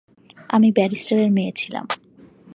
আমি ব্যারিস্টারের মেয়ে ছিলাম।